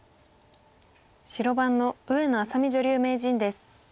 白番の上野愛咲美女流名人です。